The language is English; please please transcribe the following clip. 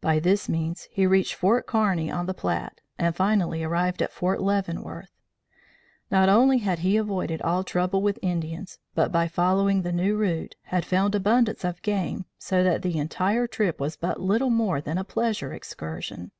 By this means, he reached Fort Kearney on the Platte and finally arrived at Fort Leavenworth. Not only had he avoided all trouble with Indians, but by following the new route, had found abundance of game so that the entire trip was but little more than a pleasure excursion.